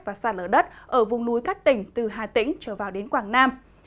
và sạt lở đất ở vùng núi các tỉnh từ hà tĩnh trở vào đến quảng nam